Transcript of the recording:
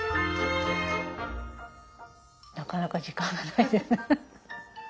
なかなか時間がないですフフフ。